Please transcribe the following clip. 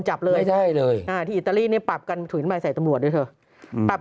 จับเลยไม่ได้เลยที่อิตาลีปรับกันถุงใบใส่ตำรวจด้วยเถอะปรับ